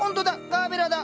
ガーベラだ！